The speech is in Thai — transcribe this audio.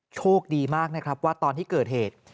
โชคดีมากนะครับว่าตอนที่เกิดเหตุ